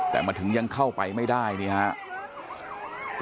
แต่มาถึงยังเข้าไปไม่ได้นี่ครับ